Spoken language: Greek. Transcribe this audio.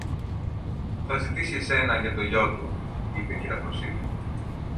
Θα ζητήσει εσένα για το γιο του, είπε η κυρα-Φρόνηση.